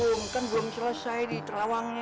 tuh rum kan belum selesai di terawangnya